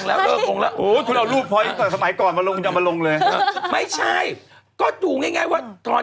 ซักครู่เนี้ยแต่ว่าคนมาก็ไม่ลงเท่ากัน